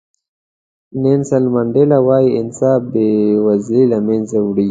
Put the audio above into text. نیلسن منډیلا وایي انصاف بې وزلي له منځه وړي.